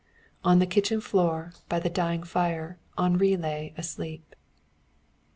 On the kitchen floor by the dying fire Henri lay asleep.